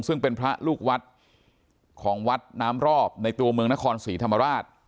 ซึ่งเป็นพระลูกวัดของวัดน้ำรอบในตัวเมืองนครศรีธรรมราช